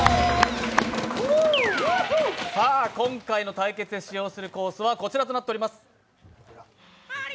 今回の対決で使用するコースはこちらとなっております。